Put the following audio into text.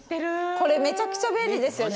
これめちゃくちゃ便利ですよね！